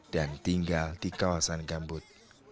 dan tinggal di kawasan gambut